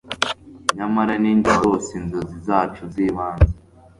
Nyamara ninjye warose inzozi zacu zibanze